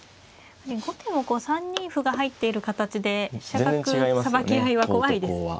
後手も３二歩が入っている形で飛車角さばき合いは怖いですね。